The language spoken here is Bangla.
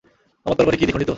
আমার তরবারি কি দ্বিখণ্ডিত?